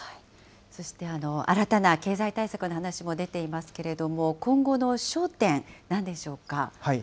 そして新たな経済対策の話も出ていますけれども、今後の焦点、なんでしょうか。